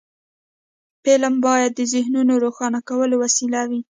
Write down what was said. فلم باید د ذهنونو روښانه کولو وسیله وي